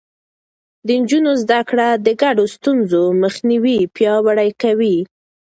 د نجونو زده کړه د ګډو ستونزو مخنيوی پياوړی کوي.